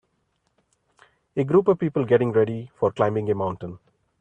A group of people getting ready for climbing a mountain.